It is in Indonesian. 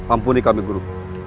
ampuni kami guru